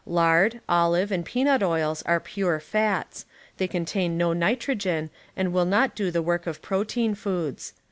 Lard, olive and peanut oils arc pure fats; they contain no nitro gen and will not do the work of protein foods.